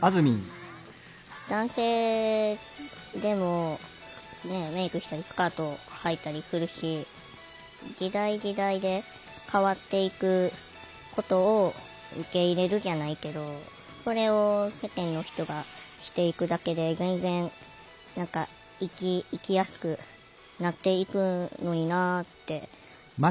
男性でもメークしたりスカートはいたりするし時代時代で変わっていくことを受け入れるじゃないけどそれを世間の人がしていくだけで全然何か生きやすくなっていくのになぁって。